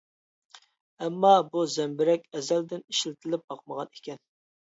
ئەمما، بۇ زەمبىرەك ئەزەلدىن ئىشلىتىلىپ باقمىغان ئىكەن.